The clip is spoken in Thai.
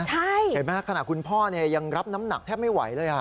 ใช่เห็นไหมฮะขณะคุณพ่อเนี้ยยังรับน้ำหนักแทบไม่ไหวเลยอ่ะ